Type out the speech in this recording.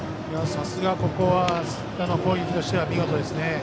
さすが、ここは攻撃としては見事ですね。